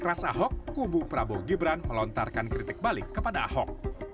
keras ahok kubu prabowo gibran melontarkan kritik balik kepada ahok